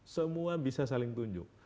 semua bisa saling tunjuk